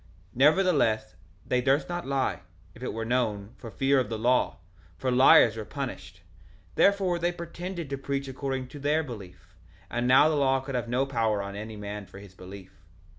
1:17 Nevertheless, they durst not lie, if it were known, for fear of the law, for liars were punished; therefore they pretended to preach according to their belief; and now the law could have no power on any man for his belief.